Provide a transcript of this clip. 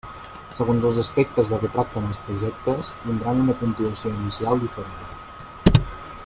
Segons els aspectes de què tracten els projectes, tindran una puntuació inicial diferent.